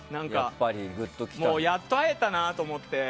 やっと会えたなと思って。